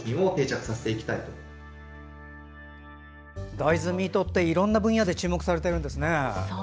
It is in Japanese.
大豆ミートっていろんな分野で注目されているんですね。